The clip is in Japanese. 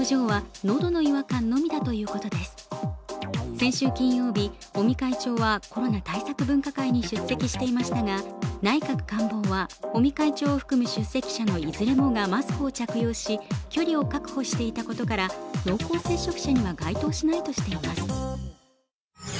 先週金曜日、尾身会長はコロナ対策分科会に出席していましたが、内閣官房は尾身会長を含む出席者のいずれもがマスクを着用し距離を確保していたことから、濃厚接触者には該当しないとしています。